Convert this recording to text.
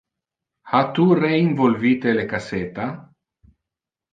Ha tu re-involvite le cassetta?